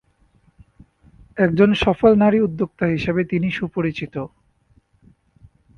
একজন সফল নারী উদ্যোক্তা হিসেবে তিনি সুপরিচিত।